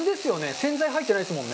洗剤入ってないですもんね。